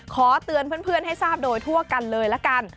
ขอเตือนเพื่อนให้ทราบโดยทั่วกันเลยละกัน